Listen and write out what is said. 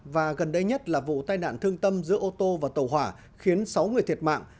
và gần đây nhất là vụ tai nạn thương tâm giữa ô tô và tàu hỏa khiến sáu người thiệt mạng